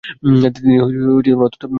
তিনি অত্যন্ত দুঃখিত ছিলেন।